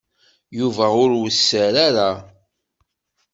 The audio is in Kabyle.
Yuba ur wesser ara.